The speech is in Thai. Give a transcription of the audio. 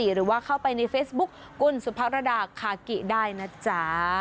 หรือว่าเข้าไปในเฟซบุ๊คคุณสุภรดาคากิได้นะจ๊ะ